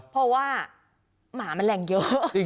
เพราะว่าหมามันแรงเยอะ